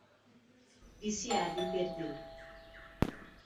Viciada em perder